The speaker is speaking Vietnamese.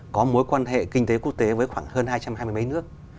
có mối quan hệ kinh tế quốc tế với khoảng hơn hai trăm hai mươi mấy nước